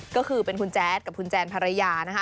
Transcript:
ก็คือเป็นคุณแจ๊ดกับคุณแจนภรรยานะคะ